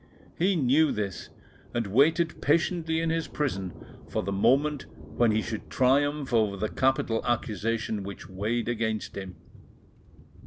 He knew this, and waited patiently in his prison for the moment when he should triumph over the capital accusation which weighed against him.